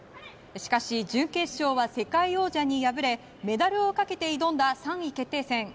しかし、準決勝は世界王者に敗れメダルをかけて挑んだ３位決定戦。